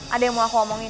ada yang mau aku omongin